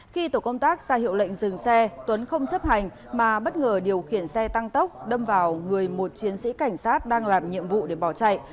khi tổ công tác ra hiệu lệnh dừng xe tuấn không chấp hành mà bất ngờ điều khiển xe tăng tốc đâm vào người một chiến sĩ cảnh sát đang làm nhiệm vụ để bỏ chạy